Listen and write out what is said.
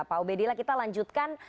pak ubedillah kita lanjutkan